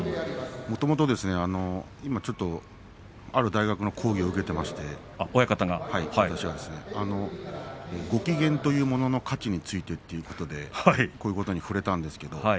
もともとある大学の講義を受けていまして私はご機嫌というものの価値についてこういうことに触れたんです。